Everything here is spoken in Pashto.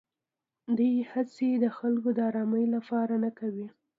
دوی هېڅې د خلکو د ارامۍ لپاره نه کوي.